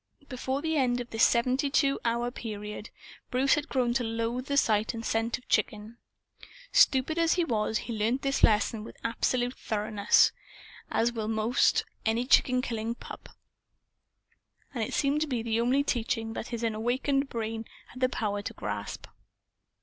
Before the end of this seventy two hour period, Bruce had grown to loathe the sight and scent of chicken. Stupid as he was, he learned this lesson with absolute thoroughness, as will almost any chicken killing pup, and it seemed to be the only teaching that his unawakened young brain had the power to grasp.